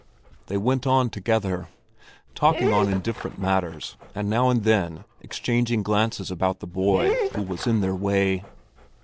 They went on together, talking on indifferent matters and now and then exchanging glances about the boy who was in their way.